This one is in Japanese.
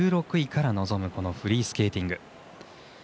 １６位から臨むフリースケーティング。